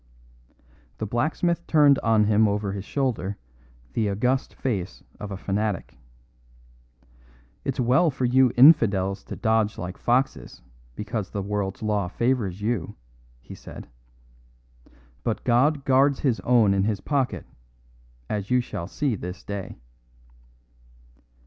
The blacksmith turned on him over his shoulder the august face of a fanatic. "It's well for you infidels to dodge like foxes because the world's law favours you," he said; "but God guards His own in His pocket, as you shall see this day."